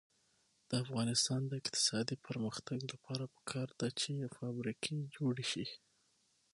د افغانستان د اقتصادي پرمختګ لپاره پکار ده چې فابریکې جوړې شي.